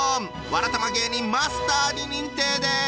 わらたま芸人マスターに認定です！